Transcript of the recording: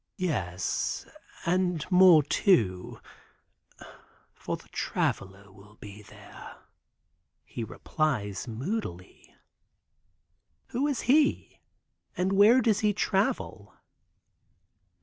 "Yes, and more too, for the Traveler will be there," he replies moodily. "Who is he, and where does he travel?"